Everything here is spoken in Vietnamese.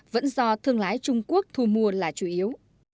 vẫn do thương lái trung quốc thu mua là chủ yếu